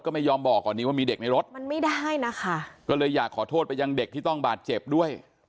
ก็ไม่ยอมบอกก่อนนี้ว่ามีเด็กในรถมันไม่ได้นะคะก็เลยอยากขอโทษไปยังเด็กที่ต้องบาดเจ็บด้วย